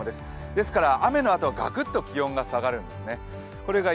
ですから雨のあとはガクッと気温が下がるんですね。